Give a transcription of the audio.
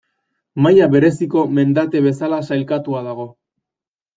Maila bereziko mendate bezala sailkatua dago.